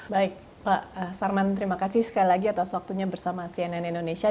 baik pak sarman terima kasih sekali lagi atas waktunya bersama cnn indonesia